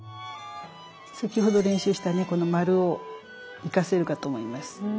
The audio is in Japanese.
先ほど練習したねこの丸を生かせるかと思います。